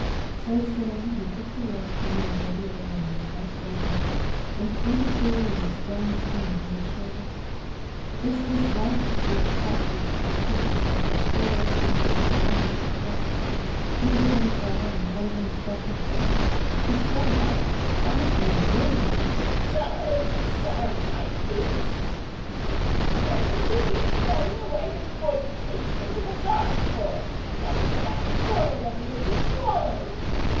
So saying he took the rope from the neck of the old woman right gently, and threw the creel with a strong swing over his shoulder. This dislodged a few of the topmost of the peats which the poor old thing had been a long way to fetch. She heard them fall, and one of them struck her foot. She started up, almost in a rage. "Sir! sir! my peats!" she cried. "What would you be throwing away the good peats into the dark for, letting that swallow them they should swallow!"